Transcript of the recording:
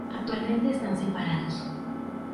Actualmente están separados.